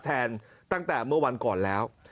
ตั้งแต่เมื่อวันก่อนแล้ว